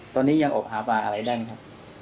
ตอนนี้ยังอบหาปลาอะไรได้ไหมครับ